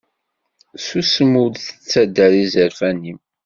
Susem ur d-ttader izerfan-im.